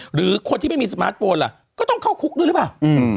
หรือคนที่ไม่มีสมาร์ทโฟนล่ะก็ต้องเข้าคุกด้วยหรือเปล่า